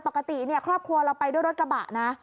ปกติเนี่ยครอบครัวเราไปด้วยรถกระบะนะ